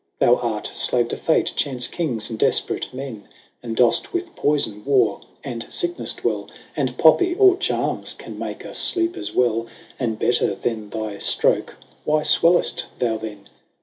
Thou art flave to Fate, Chance, kings, and defperate men, And doft with poyfon, warre, and ficknefle dwell, 10 And poppie, or charmes can make us fleepe as well, And better then thy ftroake; why fwell'ft thou then?